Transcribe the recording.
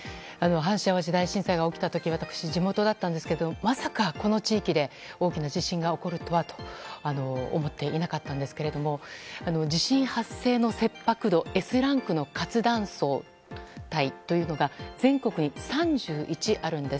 阪神・淡路大震災が起きた時私、地元だったんですがまさかこの地域で大きな地震が起こるとは思っていなかったんですが地震発生の切迫度Ｓランクの活断層帯というのが全国に３１あるんです。